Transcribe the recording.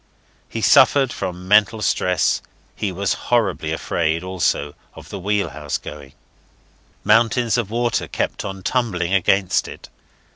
He suffered from mental stress. He was horribly afraid, also, of the wheelhouse going. Mountains of water kept on tumbling against it.